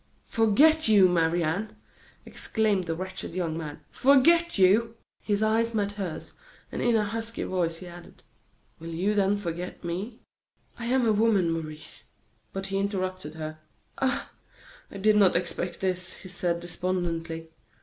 "Forget you, Marie Anne!" exclaimed the wretched young man, "forget you!" His eyes met hers, and in a husky voice he added: "Will you then forget me?" "I am a woman, Maurice " But he interrupted her: "Ah! I did not expect this," he said, despondently.